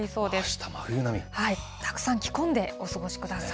たくさん着込んでお過ごしください。